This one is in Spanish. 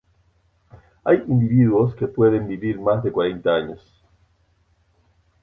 Hay individuos que pueden vivir más de cuarenta años.